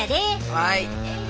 はい。